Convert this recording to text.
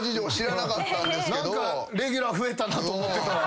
何かレギュラー増えたなと思ってたら。